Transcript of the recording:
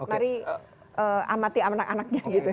mari amati anak anaknya gitu